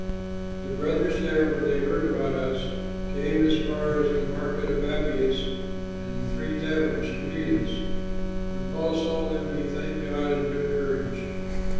The brothers there, when they heard about us, came as far as the Market of Appius and the Three Taverns to meet us. When Paul saw them, he thanked God and took courage.